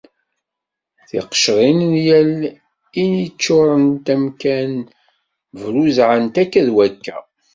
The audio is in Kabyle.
Tiqecrin n yal ini ččurent amkan, bruzɛent akka d wakka.